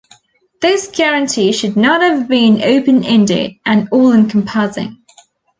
This guarantee should not have been open-ended and all-encompassing.